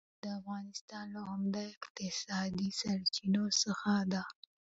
مالداري د افغانستان له عمده اقتصادي سرچينو څخه ده.